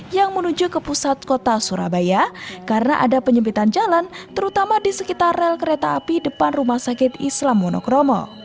yang menuju ke pusat kota surabaya karena ada penyempitan jalan terutama di sekitar rel kereta api depan rumah sakit islam monokromo